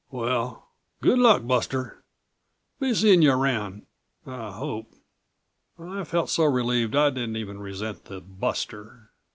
Well ... good luck, Buster. Be seeing you around ... I hope." I felt so relieved I didn't even resent the "Buster."